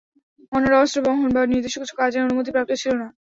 অন্যরা অস্ত্র বহন বা নির্দিষ্ট কিছু কাজের অনুমতিপ্রাপ্ত ছিল না।